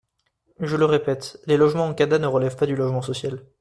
Je le répète : les logements en CADA ne relèvent pas du logement social.